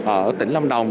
ở tỉnh lâm đồng